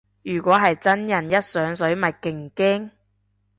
如果係真人一上水咪勁驚